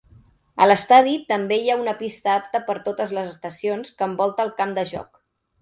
A l'estadi també hi ha una pista apta per a totes les estacions que envolta el camp de joc.